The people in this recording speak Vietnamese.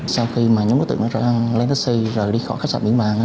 sau khi nhóm đối tượng đã lấy taxi rồi đi khỏi khách sạn biển vàng